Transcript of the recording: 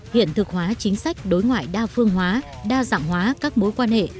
hiện thực hóa chính sách đối ngoại đa phương hóa đa dạng hóa các mối quan hệ